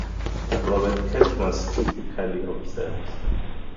Robert Cadmus typically observes.